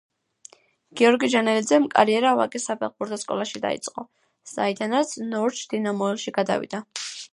გიორგი ჯანელიძემ კარიერა ვაკის საფეხბურთო სკოლაში დაიწყო, საიდანაც „ნორჩ დინამოელში“ გადავიდა.